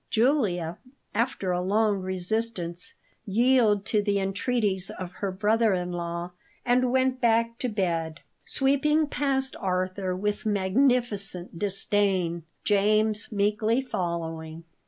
Julia, after a long resistance, yielded to the entreaties of her brother in law and went back to bed, sweeping past Arthur with magnificent disdain, James meekly following.